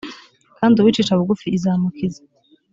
kandi uwicisha bugufi izamukiza